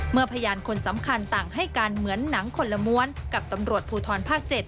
พยานคนสำคัญต่างให้การเหมือนหนังคนละม้วนกับตำรวจภูทรภาค๗